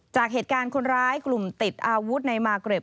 จากเหตุการณ์คนร้ายกลุ่มติดอาวุธในมาร์เกร็บ